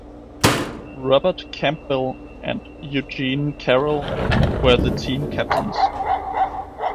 Robert Campbell and Eugene Carrell were the team captains.